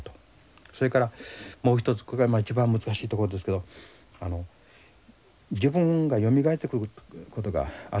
それからもう一つこれは一番難しいところですけど自分がよみがえってくることがあるかもしれない。